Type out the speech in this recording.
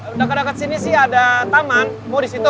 udah kedeket sini sih ada taman mau di situ